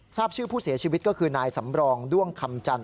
ทราบชื่อผู้เสียชีวิตก็คือนายสำรองด้วงคำจันท